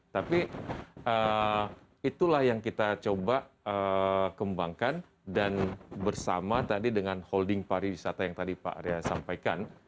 tapi itulah yang kita coba kembangkan dan bersama tadi dengan holding pariwisata yang tadi pak arya sampaikan